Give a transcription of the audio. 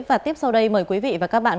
và tiếp sau đây mời quý vị và các bạn